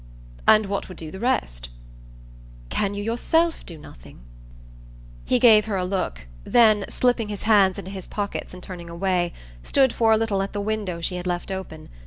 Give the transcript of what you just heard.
"And what would do the rest?" "Can you yourself do nothing?" He gave her a look; then, slipping his hands into his pockets and turning away, stood for a little at the window she had left open.